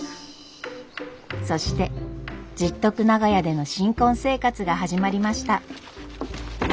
そして十徳長屋での新婚生活が始まりました。